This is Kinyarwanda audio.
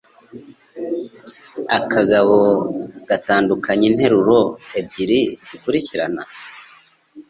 akabago gatandukanya interuro ebyiri zikurikirana